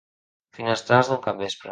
Finestrals d'un capvespre.